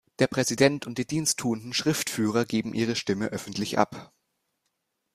Der Präsident und die diensttuenden Schriftführer geben ihre Stimme öffentlich ab.